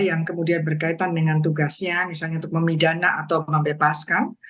yang kemudian berkaitan dengan tugasnya misalnya untuk memidana atau membebaskan